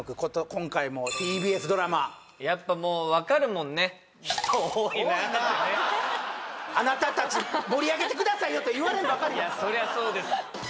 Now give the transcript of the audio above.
今回もＴＢＳドラマやっぱもう多いなあなたたち盛り上げてくださいよと言われんばかりのいやそりゃそうです